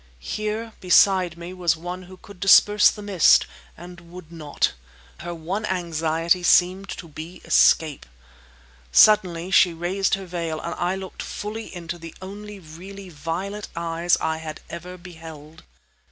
Here, beside me, was one who could disperse the mist—and would not. Her one anxiety seemed to be to escape. Suddenly she raised her veil; and I looked fully into the only really violet eyes I had ever beheld.